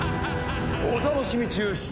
お楽しみ中失礼。